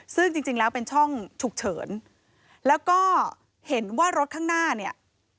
ซึ่งจริงแล้วเป็นช่องฉุกเฉินแล้วก็เห็นว่ารถข้างหน้าเนี่ย